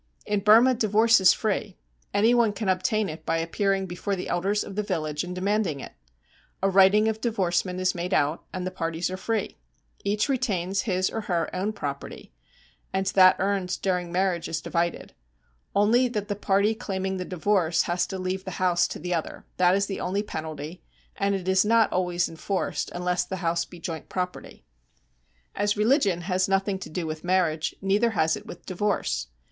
In Burma divorce is free. Anyone can obtain it by appearing before the elders of the village and demanding it. A writing of divorcement is made out, and the parties are free. Each retains his or her own property, and that earned during marriage is divided; only that the party claiming the divorce has to leave the house to the other that is the only penalty, and it is not always enforced, unless the house be joint property. As religion has nothing to do with marriage, neither has it with divorce.